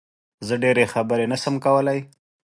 زه ډېری خبرې نه شم کولی